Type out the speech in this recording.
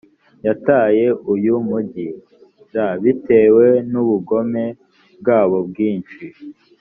yataye uyu mugi r bitewe n ubugome bwabo bwinshi